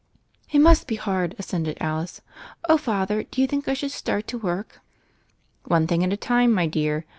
"It must be hard," assented Alice. "Oh, Father, do you think I should start to work?" "One thing at a time, my dear.